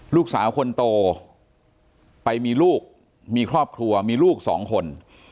ลูกสาวคนโตไปมีลูกมีครอบครัวมีลูกสองคน